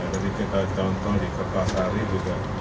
jadi kita contoh di kepala sari juga